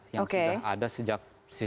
yang sudah ada sejak